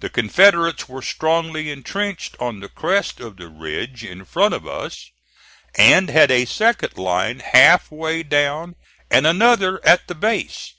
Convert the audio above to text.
The Confederates were strongly intrenched on the crest of the ridge in front of us, and had a second line half way down and another at the base.